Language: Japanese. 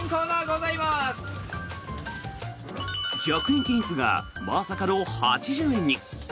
１００円均一がまさかの８０円に。